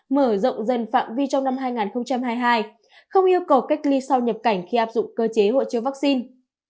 mở rộng dần phạm vi trong năm hai nghìn hai mươi hai không yêu cầu cách ly sau nhập cảnh khi áp dụng cơ chế hội chứa vaccine